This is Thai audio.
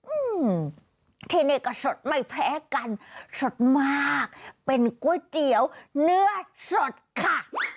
อืมที่นี่ก็สดไม่แพ้กันสดมากเป็นก๋วยเตี๋ยวเนื้อสดค่ะ